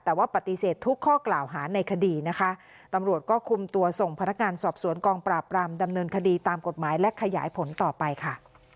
แต่ว่าปฏิเสธทุกข้อกล่าวหาในคดีนะคะตำรวจก็คุมตัวส่งพนักงานสอบสวนกองปราบรามดำเนินคดีตามกฎหมายและขยายผลต่อไปค่ะ